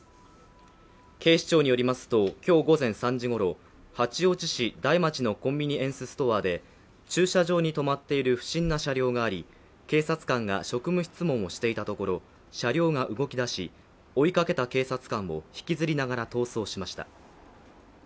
警視庁によりますと、今日午前３時ごろ、八王子市台町のコンビニエンスストアで、駐車場に止まっている不審な車両があり、警察官が職務質問をしていたところ車両が動き出し、追いかけた警察官を引きずりながら逃走しました。